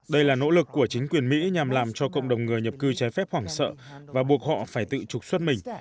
đây là nỗ lực của chính quyền mỹ nhằm làm cho cộng đồng người nhập cư trái phép hoảng sợ và buộc họ phải tự trục xuất mình